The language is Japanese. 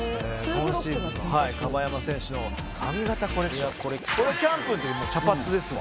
「今シーズンのはい樺山選手の髪形コレクション」「これキャンプの時もう茶髪ですわ」